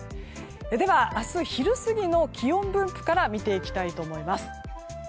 では、明日昼過ぎの気温分布から見ていきたいと思います。